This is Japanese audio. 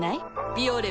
「ビオレ」